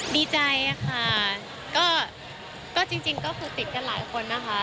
ดีใจค่ะก็จริงก็คือติดกันหลายคนนะคะ